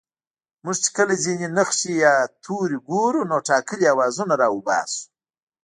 موږ چې کله ځينې نښې يا توري گورو نو ټاکلي آوازونه راوباسو